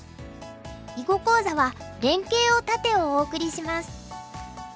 囲碁講座は「連携を断て！」をお送りします。